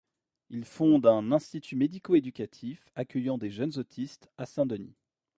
Il fonde un institut médico-éducatif accueillant des jeunes autistes à Saint-Denis.